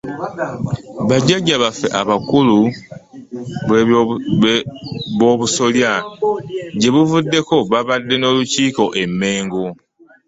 Ba jjajjaffe abakulu b'obusolya gye buvuddeko baabadde n'olukiiko e Mengo.